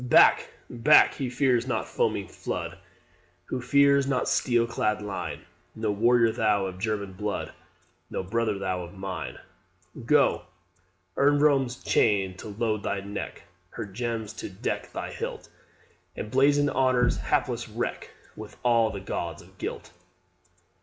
"Back, back! he fears not foaming flood Who fears not steel clad line: No warrior thou of German blood, No brother thou of mine. Go, earn Rome's chain to load thy neck, Her gems to deck thy hilt; And blazon honour's hapless wreck With all the gauds of guilt.